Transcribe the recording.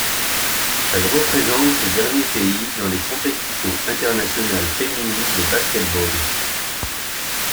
Elle représente ce dernier pays dans les compétitions internationales féminines de basket-ball.